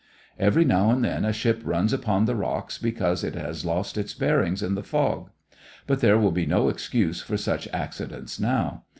Every now and then a ship runs upon the rocks because it has lost its bearings in the fog. But there will be no excuse for such accidents now.